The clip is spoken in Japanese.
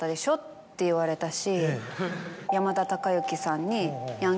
って言われたし。